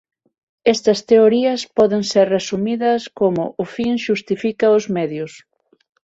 Estas teorías poden ser resumidas como "o fin xustifica os medios".